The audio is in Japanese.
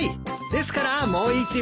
ですからもう一枚。